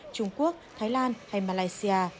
trung quốc thái lan hay malaysia